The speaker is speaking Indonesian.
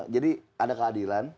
jadi ada keadilan